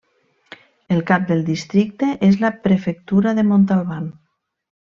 El cap del districte és la prefectura de Montalban.